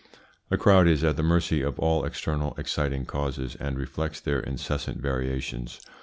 A crowd is at the mercy of all external exciting causes, and reflects their incessant variations.